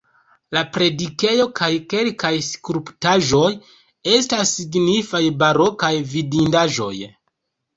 La predikejo kaj kelkaj skulptaĵoj estas signifaj barokaj vidindaĵoj.